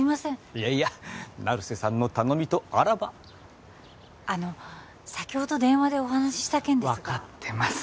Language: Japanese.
いやいや成瀬さんの頼みとあらばあの先ほど電話でお話しした件ですが分かってます